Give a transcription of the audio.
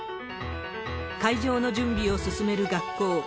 会場の準備を進める学校。